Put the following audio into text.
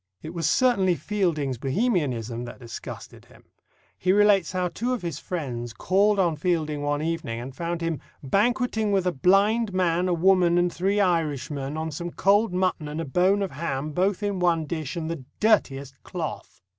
It was certainly Fielding's Bohemianism that disgusted him. He relates how two of his friends called on Fielding one evening and found him "banqueting with a blind man, a woman, and three Irishmen, on some cold mutton and a bone of ham, both in one dish, and the dirtiest cloth."